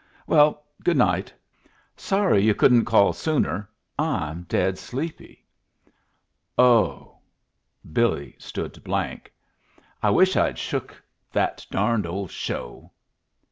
Well, good night. Sorry yu' couldn't call sooner I'm dead sleepy." "O h!" Billy stood blank. "I wish I'd shook the darned old show.